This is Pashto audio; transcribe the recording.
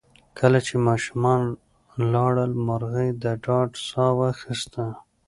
کله چې ماشومان لاړل، مرغۍ د ډاډ ساه واخیسته.